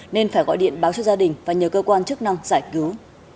nên phải gọi điện báo cho gia đình và nhờ cơ quan chức năng giải cứu